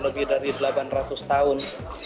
lebih dari delapan ratus tahun